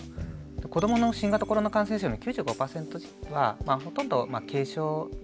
子どもの新型コロナ感染者の９５％はまあほとんど軽症なんですよね。